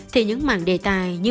thì những mảng đề tài như